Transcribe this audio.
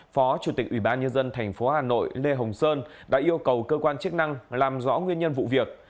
phó chủ tịch ubnd tp hà nội lê hồng sơn đã yêu cầu cơ quan chức năng làm rõ nguyên nhân vụ việc